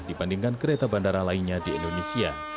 dibandingkan kereta bandara lainnya di indonesia